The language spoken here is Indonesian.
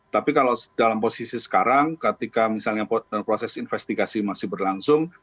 tapi kalau dalam posisi sekarang ketika misalnya proses investigasi masih berlangsung